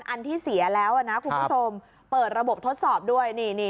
อันที่เสียแล้วนะคุณผู้ชมเปิดระบบทดสอบด้วย